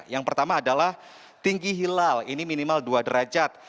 yang pertama adalah tinggi hilal ini minimal dua derajat